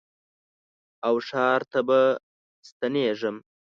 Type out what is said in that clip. او ښار ته به ستنېږم